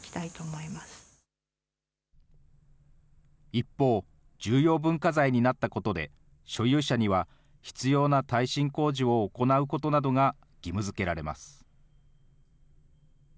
一方、重要文化財になったことで、所有者には必要な耐震工事を行うことなどが義務づけられます。